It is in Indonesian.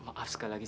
ampuni dosa allah